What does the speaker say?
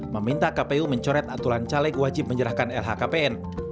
meminta kpu mencoret aturan caleg wajib menyerahkan lhkpn